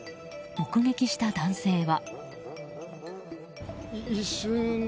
目撃した男性は。